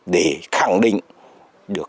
để khẳng định được